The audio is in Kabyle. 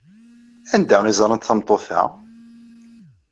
Anda ay ẓrant tameṭṭut-a?